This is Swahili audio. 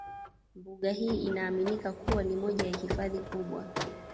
Mbuga hii inaaminika kuwa ni moja ya hifadhi kubwa